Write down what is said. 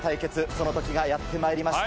その時がやってまいりました。